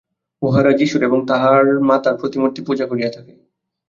উহারা যীশুর এবং তাঁহার মাতার প্রতিমূর্তি পূজা করিয়া থাকে।